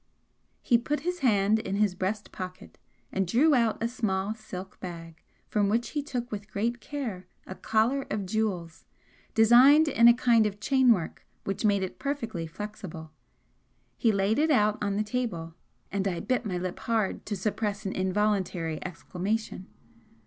He put his hand in his breast pocket and drew out a small silk bag from which he took with great care a collar of jewels, designed in a kind of chain work which made it perfectly flexible. He laid it out on the table, and I bit my lip hard to suppress an involuntary exclamation.